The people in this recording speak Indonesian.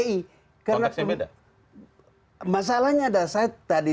konteksnya beda masalahnya ada saya tadi